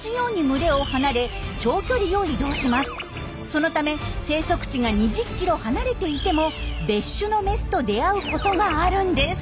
そのため生息地が２０ｋｍ離れていても別種のメスと出会うことがあるんです。